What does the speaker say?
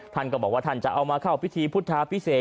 ท่านก็บอกว่าท่านจะเอามาเข้าพิธีพุทธาพิเศษ